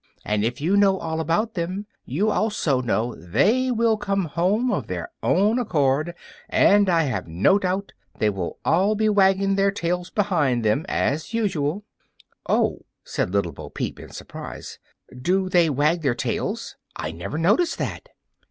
And if you know all about them, you also know they will come home of their own accord, and I have no doubt they will all be wagging their tails behind them, as usual." "Oh," said Little Bo Peep, in surprise, "do they wag their tails? I never noticed that!"